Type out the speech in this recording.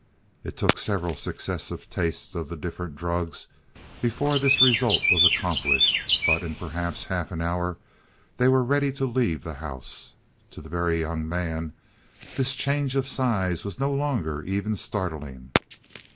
It took several successive tastes of the different drugs before this result was accomplished, but in perhaps half an hour they were ready to leave the house. To the Very Young Man this change of size was no longer even startling.